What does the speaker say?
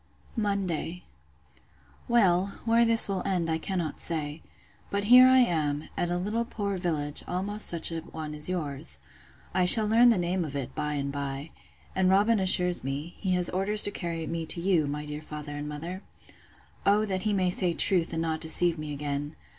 Monday. Well, where this will end, I cannot say. But here I am, at a little poor village, almost such a one as yours! I shall learn the name of it by and by: and Robin assures me, he has orders to carry me to you, my dear father and mother. O that he may say truth, and not deceive me again!